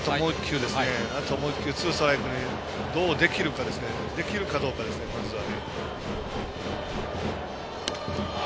あともう１球ツーストライクにどうできるかどうかですねまずは。